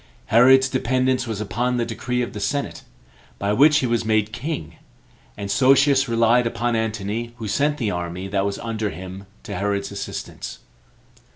Herod's dependence was upon the decree of the senate, by which he was made king; and Sosius relied upon Antony, who sent the army that was under him to Herod's assistance.